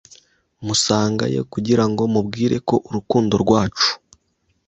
musangayo kugirango mubwire ko urukundo rwacu